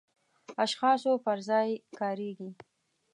اشخاصو پر ځای کاریږي.